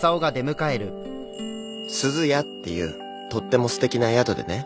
すずやっていうとってもすてきな宿でね。